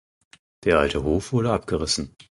Der alte Hof wurde abgerissen.